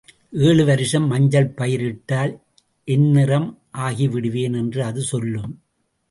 ஏழு வருஷம் மஞ்சள் பயிர் இட்டால் என் நிறம் ஆக்கிடுவேன் என்று அது சொல்லும்.